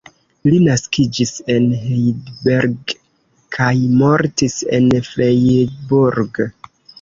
Li naskiĝis en Heidelberg kaj mortis en Freiburg.